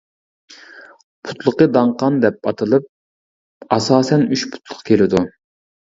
پۇتلۇقى داڭقان دەپ ئاتىلىپ ئاساسەن ئۈچ پۇتلۇق كېلىدۇ.